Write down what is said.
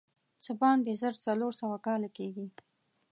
څه باندې زر څلور سوه کاله کېږي.